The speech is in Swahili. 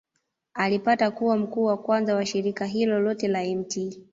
Alipata kuwa mkuu wa kwanza wa shirika hilo lote la Mt.